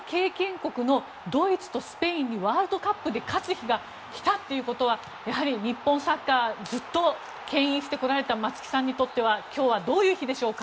国のドイツとスペインにワールドカップで勝つ日が来たっていうことはやはり日本サッカーずっと牽引してこられた松木さんにとっては今日はどういう日でしょうか。